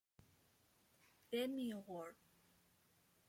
Grammy Award.